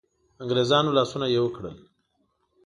انګرېزانو لاسونه یو کړل.